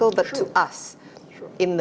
tapi juga dari kita